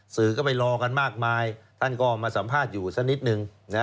สื่อก็ไปรอกันมากมายท่านก็มาสัมภาษณ์อยู่สักนิดนึง